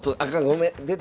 ごめん。